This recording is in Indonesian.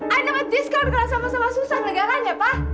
i don't want this kan sama sama susah menegakannya pa